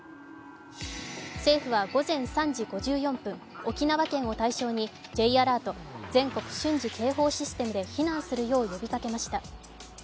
政府は午前３時５４分、沖縄県を対象にＪアラート＝全国瞬時警報システムで避難するよう呼びかけました。